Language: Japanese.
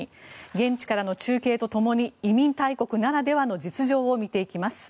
現地からの中継とともに移民大国ならではの実情を見ていきます。